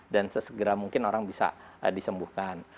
sesegera mungkin orang bisa disembuhkan